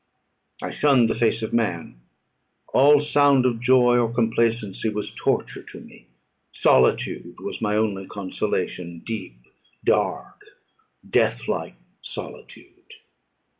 I shunned the face of man; all sound of joy or complacency was torture to me; solitude was my only consolation deep, dark, deathlike solitude.